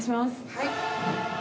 はい。